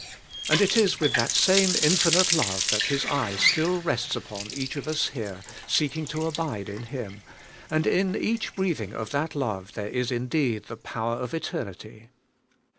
And it is with that same infinite love that His eye still rests upon each of us here seeking to abide in Him, and in each breathing of that love there is indeed the power of eternity.